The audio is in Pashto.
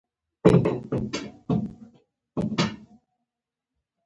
محمد داؤد خان د صدراعظم په توګه ځانګړی ځای درلود.